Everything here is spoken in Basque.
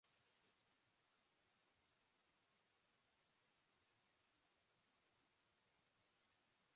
Animalien klase hau intsektuen ondoren bigarren zabalena da.